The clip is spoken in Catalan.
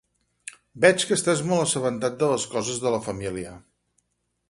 —Veig que estàs molt assabentat de les coses de la família